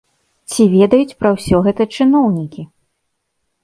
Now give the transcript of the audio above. Ці ведаюць пра ўсё гэта чыноўнікі?